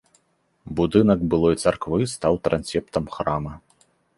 Будынак былой царквы стаў трансептам храма.